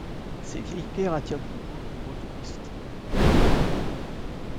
Ses vieilles pierres attirent de nos jours de nombreux touristes.